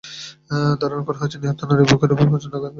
ধারণা করা হচ্ছে, নিহত নারীর বুকের ওপর প্রচণ্ডভাবে আঘাত করা হয়েছে।